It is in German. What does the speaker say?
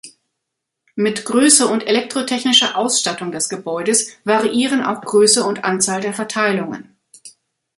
Mit Größe und elektrotechnischer Ausstattung des Gebäudes variieren auch Größe und Anzahl der Verteilungen.